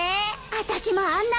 あたしもあんな